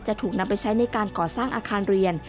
จะถูกนำไปใช้ในการก่อสร้างอาคารเรียน